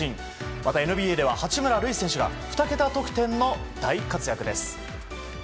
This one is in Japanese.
またＮＢＡでは八村塁選手が２桁得点の大活躍です。